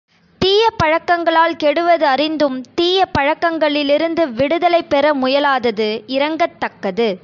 தீய பழக்கங்களால் கெடுவதறிந்தும் தீய பழக்கங்களிலிருந்து விடுதலை பெற முயலாதது இரங்கத்தக்கது.